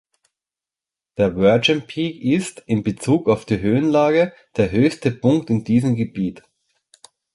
Der Virgin Peak ist, in Bezug auf die Höhenlage, der höchste Punkt in diesem Gebiet.